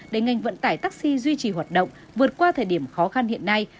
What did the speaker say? để ngành vận tải taxi duy trì hoạt động vượt qua thời điểm khó khăn hiện nay